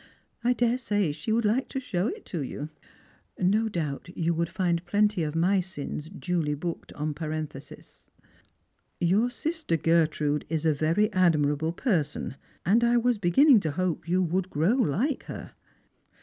I daresay she would like to show it to you. No doubt you would find jjlenty of my sins duly booked en loarenthese." " Your sister Gertrude is a very admirable person, and I was beginning to hope you would grow like her."